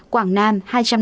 quảng nam hai trăm năm mươi ba